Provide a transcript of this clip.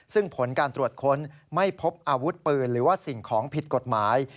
ซึ่งผลการตรวจค้นไม่พบอาวุธปืนหรือว่าสิ่งของผิดกฎหมาย